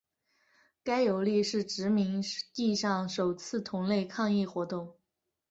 该游利是殖民地上首次同类抗议活动。